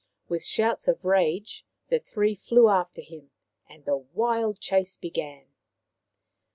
With shouts of rage the three flew after him, and the wild chase began.